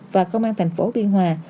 và công an thành phố biên hòa